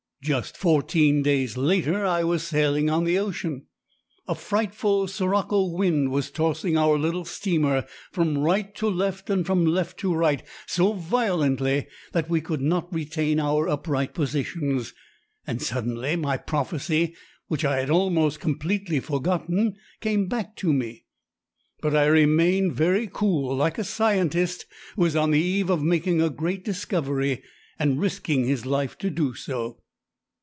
Just fourteen days later I was sailing on the ocean. A frightful sirocco wind was tossing our little steamer from right to left and from left to right so violently that we could not retain our upright positions. And suddenly my prophecy which I had almost completely forgotten came back to me. But I remained very cool, like a scientist who is on the eve of making a great discovery and risking his life to do so.